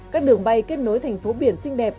các đường bay kết nối thành phố biển xinh đẹp